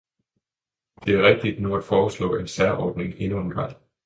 Det er rigtigt nu at foreslå en særordning endnu en gang.